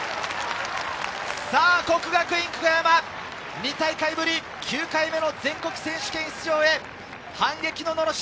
國學院久我山２大会ぶり９回目の全国選手権出場へ、反撃ののろし。